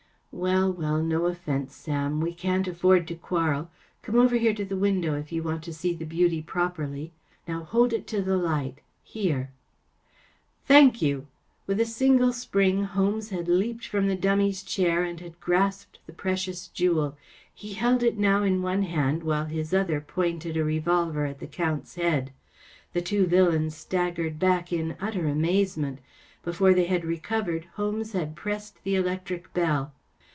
‚ÄĚ “ Well, well; no offence, Sam. We can’t afford to quarrel. Come over to the window if you want to see the beauty properly. Now hold it to the light! Here I ‚ÄĚ ‚ÄĚ Thank you I ‚ÄĚ With a single spring Holmes had leaped from the dummy's chair and had grasped the precious jewel. He held it now in one hand, while his other pointed a revolver at the Count’s head. The two villains staggered back in utter amazement. Before they had recovered Holmes had pressed the electric bell.